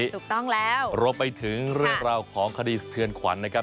ถูกต้องแล้วรวมไปถึงเรื่องราวของคดีสะเทือนขวัญนะครับ